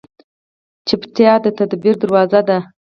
چپتیا، د تدبیر دروازه ده.